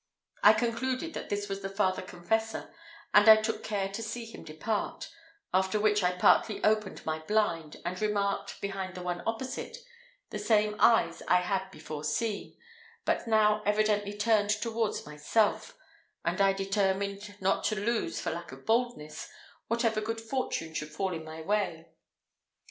I concluded that this was the father confessor, and I took care to see him depart; after which I partly opened my blind, and remarked, behind the one opposite, the same eyes I had before seen, but now evidently turned towards myself, and I determined not to lose, for lack of boldness, whatever good fortune should fall in my way.